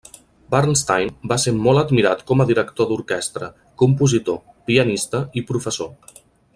Bernstein va ser molt admirat com a director d'orquestra, compositor, pianista i professor.